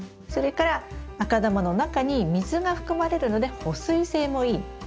それから赤玉の中に水が含まれるので保水性もいい。